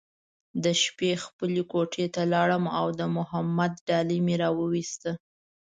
د شپې خپلې کوټې ته لاړم او د محمود ډالۍ مې راوویسته.